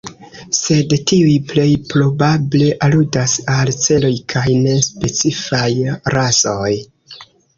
Sed tiuj plej probable aludas al celoj kaj ne specifaj rasoj.